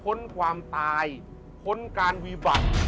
้นความตายพ้นการวีบัติ